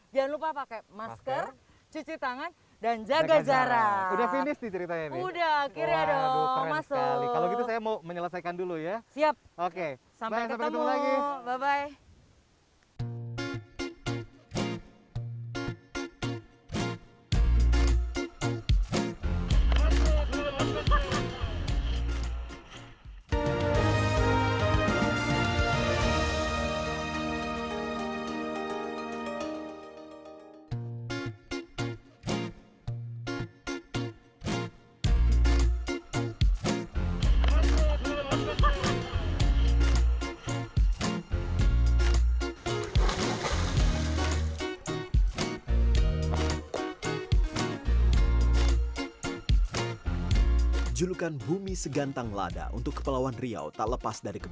jangan lupa pakai masker cuci tangan dan jaga jarak